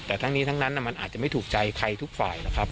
แต่ทั้งนี้ทั้งนั้นมันอาจจะไม่ถูกใจใครทุกฝ่ายนะครับ